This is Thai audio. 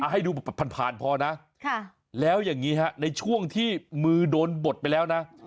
ให้ดูผ่านพอนะแล้วอย่างนี้ฮะในช่วงที่มือโดนบดไปแล้วนะ